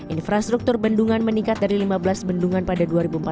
infrastruktur bendungan meningkat dari lima belas bendungan pada dua ribu empat belas